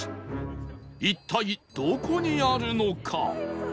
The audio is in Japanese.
一体どこにあるのか？